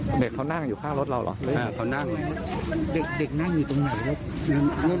เด็กเขานั่งอยู่ข้างรถเราเหรอเขานั่งเด็กเด็กนั่งอยู่ตรงไหน